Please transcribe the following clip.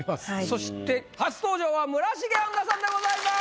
そして初登場は村重杏奈さんでございます。